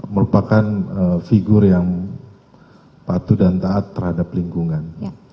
merupakan figur yang patuh dan taat terhadap lingkungan